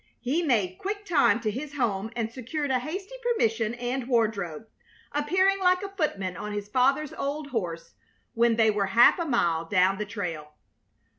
He made quick time to his home, and secured a hasty permission and wardrobe, appearing like a footman on his father's old horse when they were half a mile down the trail.